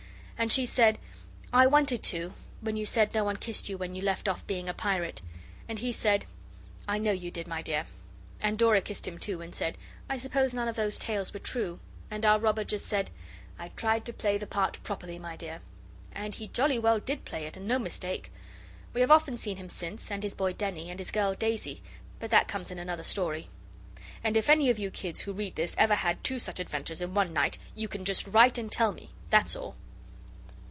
And she said, 'I wanted to, when you said no one kissed you when you left off being a pirate.' And he said, 'I know you did, my dear.' And Dora kissed him too, and said, 'I suppose none of these tales were true?' And our robber just said, 'I tried to play the part properly, my dear.' And he jolly well did play it, and no mistake. We have often seen him since, and his boy Denny, and his girl Daisy, but that comes in another story. And if any of you kids who read this ever had two such adventures in one night you can just write and tell me. That's all.